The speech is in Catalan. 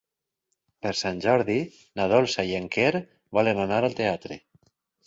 Per Sant Jordi na Dolça i en Quer volen anar al teatre.